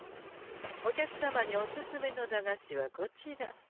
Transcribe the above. お客様におすすめの駄菓子はこちら。